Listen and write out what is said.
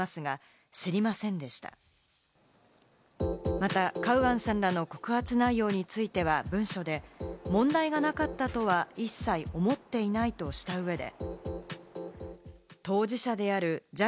また、カウアンさんらの告発内容については、文書で問題がなかったとは一切思っていないとした上で。